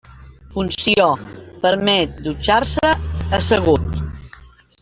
Funció: permet dutxar-se assegut.